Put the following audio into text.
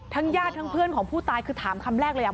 ญาติทั้งเพื่อนของผู้ตายคือถามคำแรกเลยอ่ะ